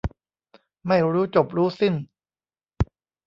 ไม่รู้จบรู้สิ้น